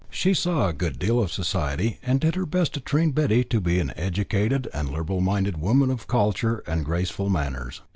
She saw a good deal of society, and did her best to train Betty to be an educated and liberal minded woman of culture and graceful manners.